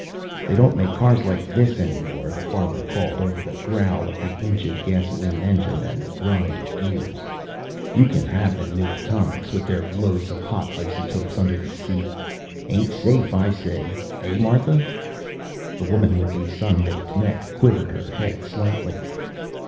"They don't make cars like this anymore," the farmer called over the growl of the ancient gasoline engine and the grind of gears. "You can have them new atomics with their loads of hot isotopes under the seat. Ain't safe, I say eh, Martha?" The woman with the sun baked neck quivered her head slightly.